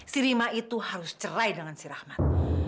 sirima itu harus cerai dengan si rahmat